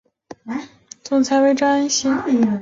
总裁为张安喜。